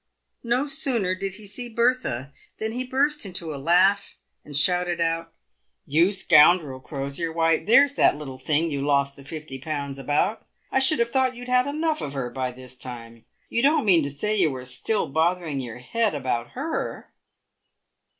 No sooner did he see Bertha than he burst into a laugh, and shouted out, " You scoundrel, Crosier ! why, there's that little thing you lost the fifty pounds about. I should have thought you'd had enough of her by this time. You don't mean to say you are still bothering your head about her